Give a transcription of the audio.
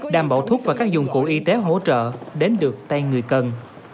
đảm bảo thuốc và các dụng cụ y tế hỗ trợ đến được tay người cần